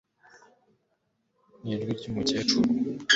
Nijwi ryumukecuru